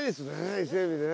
伊勢エビね。